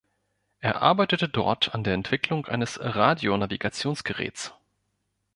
Er arbeitete dort an der Entwicklung eines Radio-Navigationsgeräts.